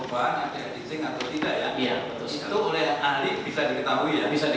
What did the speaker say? bisa diketahui dengan metode berapa ada metode yang berbeda pertama has analysis